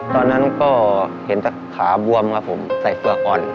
ตอนนั้นก็เห็นสักขาบวมครับผมใส่เปลือกอ่อน